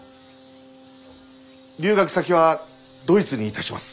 留学先はドイツにいたします。